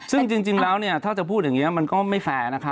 ซึ่งจริงแล้วถ้าจะพูดอย่างนี้มันก็ไม่แฟร์นะคะ